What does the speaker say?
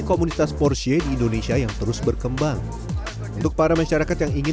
komunitas porsche di indonesia yang terus berkembang untuk para masyarakat yang ingin